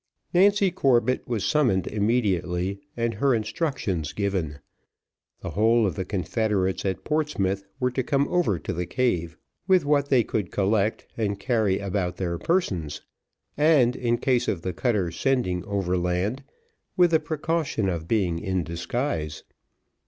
Nancy Corbett was summoned immediately, and her instructions given. The whole of the confederates at Portsmouth were to come over to the cave with what they could collect and carry about their persons; and, in case of the cutter sending over land, with the precaution of being in disguise.